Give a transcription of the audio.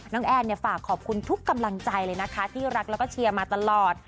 แอนฝากขอบคุณทุกกำลังใจเลยนะคะที่รักแล้วก็เชียร์มาตลอด